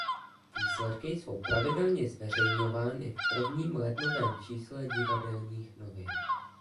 Výsledky jsou pravidelně zveřejňovány v prvním lednovém čísle Divadelních novin.